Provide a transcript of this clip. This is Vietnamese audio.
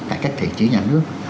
cải cách thể chế nhà nước